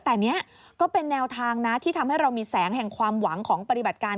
แต่นี้ก็เป็นแนวทางนะที่ทำให้เรามีแสงแห่งความหวังของปฏิบัติการ